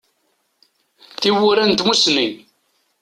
Tiwwura n tmussni.